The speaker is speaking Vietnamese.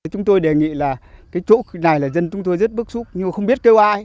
chúng tôi đề nghị là cái chỗ này là dân chúng tôi rất bức xúc nhưng mà không biết kêu ai